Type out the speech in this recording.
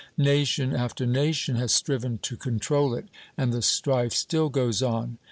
Nation after nation has striven to control it, and the strife still goes on.